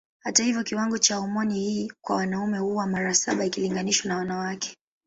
Hata hivyo kiwango cha homoni hii kwa wanaume huwa mara saba ikilinganishwa na wanawake.